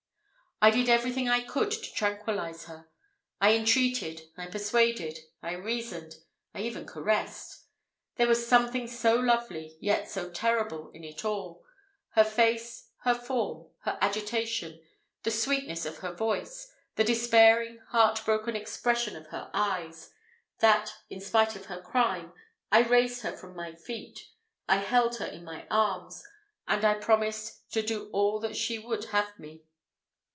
I did everything I could to tranquillize her; I entreated, I persuaded, I reasoned, I even caressed. There was something so lovely, yet so terrible in it all her face, her form, her agitation, the sweetness of her voice, the despairing, heart broken expression of her eyes, that, in spite of her crime, I raised her from my feet, I held her in my arms, and I promised to do all that she would have me.